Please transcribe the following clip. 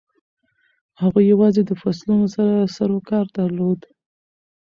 هغوی یوازې د فصلونو سره سروکار درلود.